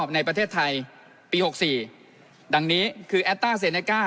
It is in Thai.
ในประเทศไทยปี๖๔ดังนี้คือแอดต้าเซเนก้า